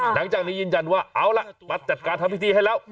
หลังจากนี้ยืนยันว่าเอาล่ะมาจัดการทำพิธีให้แล้ว